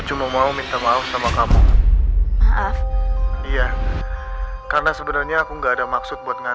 jangan pernah ganggu kehidupan aku lagi